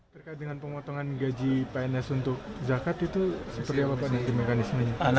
berkait dengan pemotongan gaji pns untuk zakat itu seperti apa nih mekanismenya